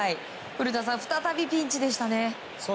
古田さん、再びピンチでしたね。